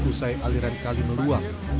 usai aliran kali meluang